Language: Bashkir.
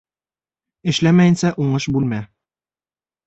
Эшләмәйенсә уңыш бүлмә.